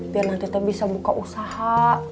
biar nanti teh bisa buka usaha